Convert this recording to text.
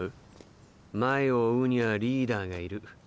前を追うにはリーダーがいる。